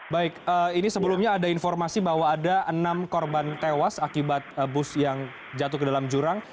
baik ini sebelumnya ada informasi bahwa ada enam korban tewas akibat bus yang jatuh ke dalam jurang